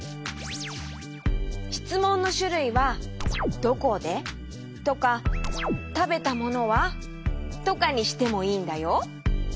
しつもんのしゅるいは「どこで？」とか「たべたものは？」とかにしてもいいんだよ。